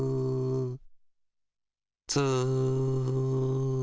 ツー。